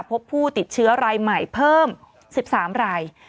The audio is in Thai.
พบผู้ติดเชื้อรายใหม่เพิ่ม๑๓ราย